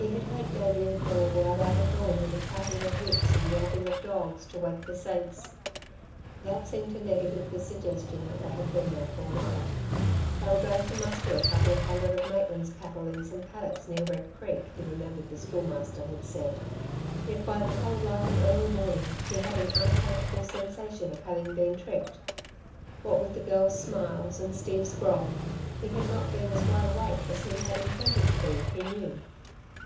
He had heard Davey and Conal ride out at dawn with a cracking of whips and yelping of dogs to wake the saints. That seemed to negative the suggestion that they had been out all night. They were going to muster a couple of hundred of Maitland's cattle in some paddocks near Red Creek, he remembered the Schoolmaster had said. Yet by the cold light of early morning, he had an unaccountable sensation of having been tricked. What with the girl's smiles and Steve's grog he had not been as wide awake as he had intended to be, he knew.